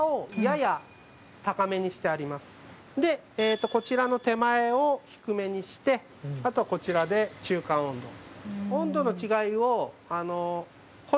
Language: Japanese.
でこちらの手前を低めにしてあとはこちらで中間温度。